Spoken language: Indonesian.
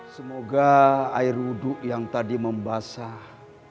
semoga air wudhu yang tadi membasah